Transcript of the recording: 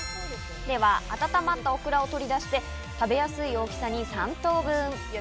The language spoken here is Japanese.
温まったオクラを取り出して食べやすい大きさに３等分。